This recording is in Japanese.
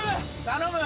頼む！